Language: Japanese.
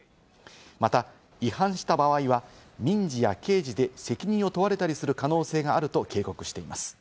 また、違反した場合は、民事や刑事で責任を問われたりする可能性があると警告しています。